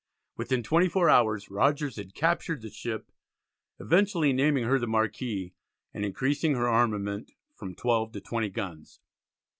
Within twenty four hours Rogers had captured the ship, eventually naming her the Marquis, and increasing her armament from 12 to 20 guns.